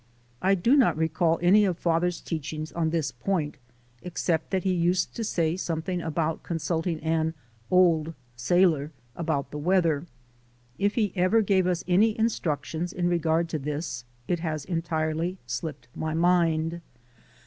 I do not recall any of father's teachings on this point, except that he used to say something about consulting an "old sailor" about the weather. If he ever gave us any instructions in regard to this, it has entirely slipped my mind.